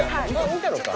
見たのか。